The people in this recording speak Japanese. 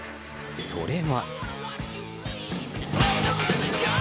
それは。